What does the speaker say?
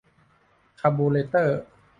คาร์บูเรเตอร์